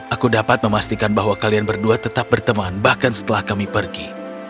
aku dapat memastikan bahwa kalian berdua tetap berteman bahkan setelah kami pergi